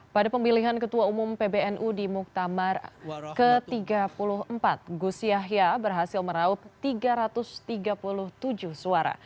pada pemilihan ketua umum pbnu di muktamar ke tiga puluh empat gus yahya berhasil meraup tiga ratus tiga puluh tujuh suara